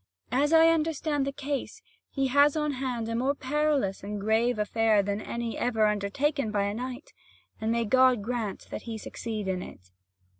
As I understand the case, he has on hand a more perilous and grave affair than any ever undertaken by a knight; and may God grant that he succeed in it."